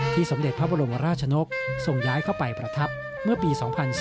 สมเด็จพระบรมราชนกส่งย้ายเข้าไปประทับเมื่อปี๒๔